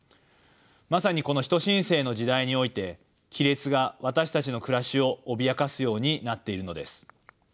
まさにこの人新世の時代において亀裂が私たちの暮らしを脅かすようになっているのです。